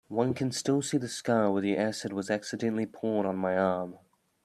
One can still see the scar where the acid was accidentally poured on my arm.